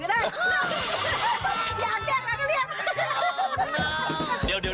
อยากแยกแล้วก็เรียก